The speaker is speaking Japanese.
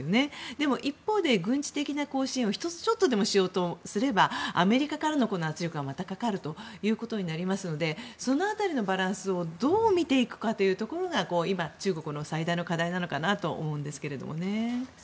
でも一方で軍事的な支援をちょっとでもしようとすればアメリカからの圧力がまたかかるということになりますのでその辺りのバランスをどう見ていくかというところが今、中国の最大の課題なのかなと思うんですけれどもね。